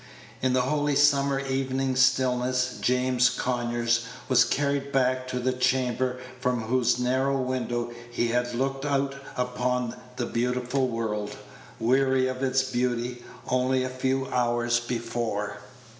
In the holy summer evening stillness James Conyers was carried back to the chamber from whose narrow window he had looked out upon the beautiful world, weary of its beauty, only a few hours before.